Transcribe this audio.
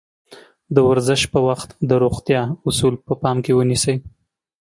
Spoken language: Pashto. د ورزش پر وخت د روغتيا اَصول په پام کې ونيسئ.